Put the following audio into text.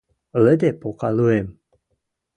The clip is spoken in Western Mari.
Лыды пока луэм.